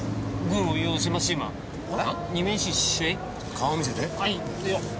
顔見せて。